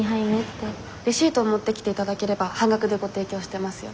レシートを持ってきて頂ければ半額でご提供してますよ。